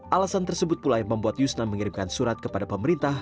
alasan tersebut pula yang membuat yusnan mengirimkan surat kepada pemerintah